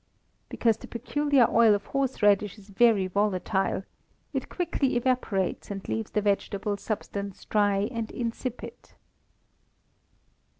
_ Because the peculiar oil of horseradish is very volatile; it quickly evaporates, and leaves the vegetable substance dry and insipid.